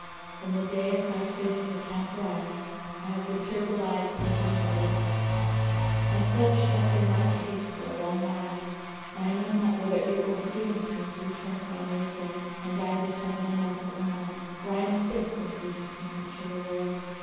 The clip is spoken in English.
From the day of my quitting the Camphor Islands, I have been tearful eyed and heavy hearted, and such hath been my case for a long while and I know not whether it will be given me to return to my native land and die beside my mother or not; for I am sick from eating too much of the world.